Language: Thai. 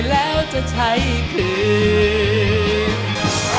แล้วจะใช้คืน